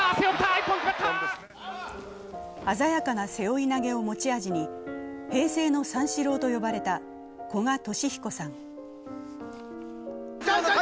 鮮やかな背負い投げを持ち味に平成の三四郎と呼ばれた古賀稔彦さん。